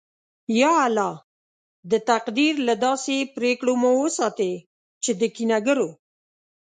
یا الله! د تقدیر له داسې پرېکړو مو وساتې چې د کینه گرو